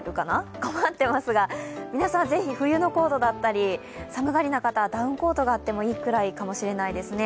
困ってますが皆さん、ぜひ冬のコートだったり、寒がりな方はダウンコートがあってもいいくらいかもしれませんね。